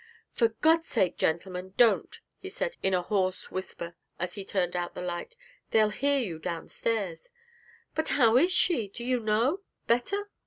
'For God's sake, gentlemen, don't!' he said, in a hoarse whisper, as he turned out the light; 'they'll hear you downstairs.' 'But how is she? do you know better?'